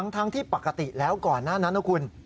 ทั้งที่ปกติแล้วก่อนนะฮะคุณ